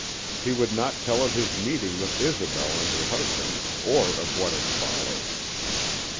He would not tell of his meeting with Isobel and her husband or of what had followed.